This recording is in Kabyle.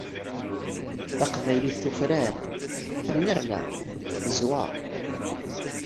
Taqbaylit tufrar, tennerna teẓweṛ.